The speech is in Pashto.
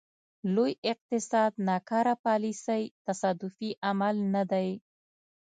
لوی اقتصاد ناکاره پالیسۍ تصادفي عمل نه دی.